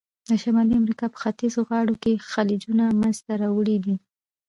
د شمالي امریکا په ختیځو غاړو کې خلیجونه منځته راوړي دي.